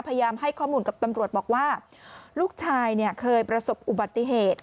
พยายามให้ข้อมูลกับตำรวจบอกว่าลูกชายเนี่ยเคยประสบอุบัติเหตุ